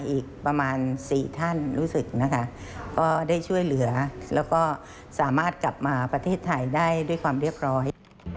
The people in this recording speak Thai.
อีกประมาณ๔ท่านรู้สึกนะคะก็ได้ช่วยเหลือแล้วก็สามารถกลับมาประเทศไทยได้ด้วยความเรียบร้อย